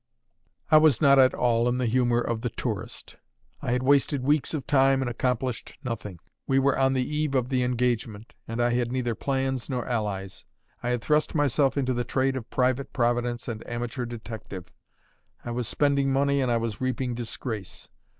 I was not at all in the humour of the tourist. I had wasted weeks of time and accomplished nothing; we were on the eve of the engagement, and I had neither plans nor allies. I had thrust myself into the trade of private providence and amateur detective; I was spending money and I was reaping disgrace.